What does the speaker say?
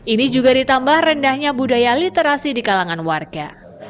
ini juga ditambah rendahnya budaya literasi di kalangan warga